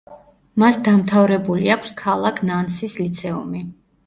მას დამთავრებული აქვს ქალაქ ნანსის ლიცეუმი.